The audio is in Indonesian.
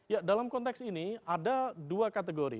ya dalam konteks ini ada dua kategori